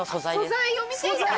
素材を見ていたい。